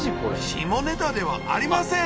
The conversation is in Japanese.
下ネタではありません！